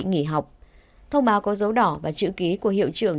trường trung học phổ thông lạc long quân đã có dấu đỏ và chữ ký của hiệu trưởng